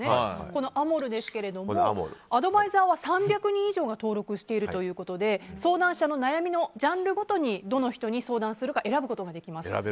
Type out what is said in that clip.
このＡＭＯＲＵですがアドバイザーは３００人以上が登録しているということで相談者の悩みのジャンルごとにどの人に相談するか選ぶことができます。